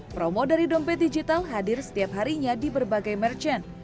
promo dari dompet digital hadir setiap harinya di berbagai merchant